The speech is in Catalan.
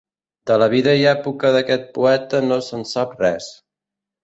De la vida i època d'aquest poeta no se'n sap res.